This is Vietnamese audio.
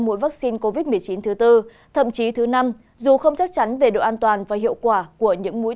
liều covid một mươi chín thứ bốn thậm chí thứ năm dù không chắc chắn về độ an toàn và hiệu quả của những mũi